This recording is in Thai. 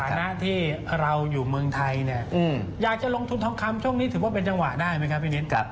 นะที่เราอยู่เมืองไทยเนี่ยอยากจะลงทุนทองคำช่วงนี้ถือว่าเป็นจังหวะได้ไหมครับพี่นิด